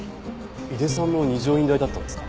井手さんも二条院大だったんですか？